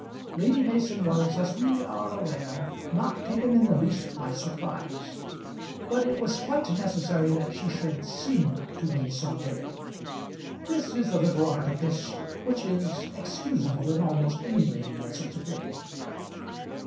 Lady Mason was, as we are aware, not taken in the least by surprise; but it was quite necessary that she should seem to be so taken. This is a little artifice which is excusable in almost any lady at such a period.